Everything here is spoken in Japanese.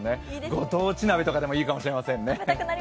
ご当地鍋とかでもいいかもしれませんね。